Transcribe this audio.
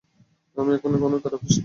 আমি এখন কোনো থেরাপিস্ট না।